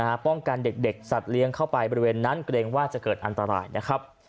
ป้องกันเด็กเด็กสัตว์เลี้ยงเข้าไปบริเวณนั้นเกรงว่าจะเกิดอันตรายนะครับ